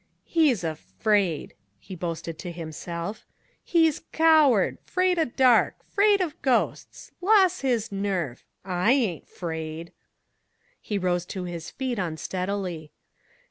"He's afraid!" he boasted to himself. "He's coward. 'Fraid of dark. 'Fraid of ghosts. Los' his nerve. I ain' 'fraid." He arose to his feet unsteadily.